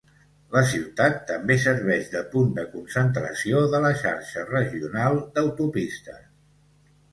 La ciutat també serveix de punt de concentració de la xarxa regional d'autopistes.